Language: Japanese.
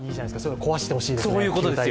壊してほしいですね。